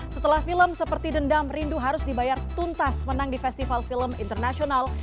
setelah film seperti dendam rindu harus dibayar tuntas menang di festival film internasional